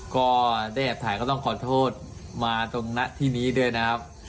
ก็ได้แอบถ่ายก็ต้องขอโทษมาตรงหน้าที่นี้ด้วยนะครับ